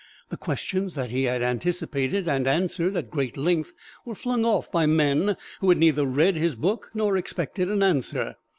The questions that he had anticipated and answered at great length were flung off by men who had neither read his book nor expected an answer.